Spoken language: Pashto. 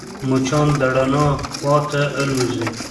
مچان د رڼا خواته الوزي